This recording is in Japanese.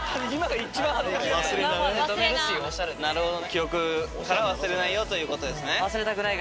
記憶から忘れないよということですね。